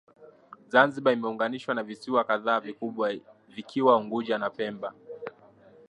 Zanzibar imeunganishwa na visiwa kadhaa vikubwa vikiwa Unguja na Pemba